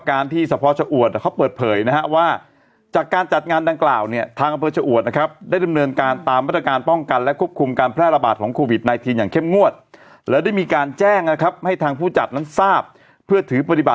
เขาบอกที่วัดไล่ตะพุธเนี่ยที่เพชรบูรณ์เนี่ยมีชาวบ้านนะครับ